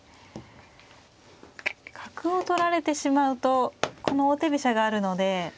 角を取られてしまうとこの王手飛車があるので。